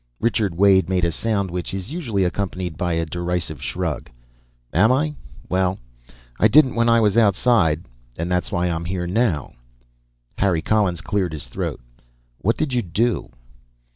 Richard Wade made a sound which is usually accompanied by a derisive shrug. "Am I? Well, I didn't when I was outside. And that's why I'm here now." Harry Collins cleared his throat. "What did you do?"